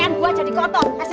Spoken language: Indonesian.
mudah banget bosa